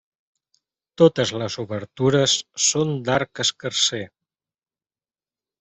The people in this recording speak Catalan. Totes les obertures són d'arc escarser.